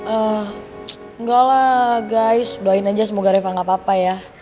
enggak lah guys doain aja semoga reva gak apa apa ya